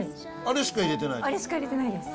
あれしか入れてないです。